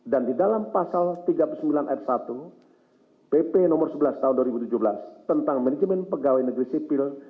dan di dalam pasal tiga puluh sembilan ayat satu pp nomor sebelas tahun dua ribu tujuh belas tentang manajemen pegawai negeri sipil